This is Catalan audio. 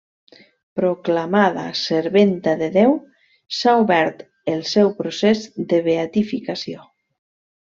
Proclamada serventa de Déu, s'ha obert el seu procés de beatificació.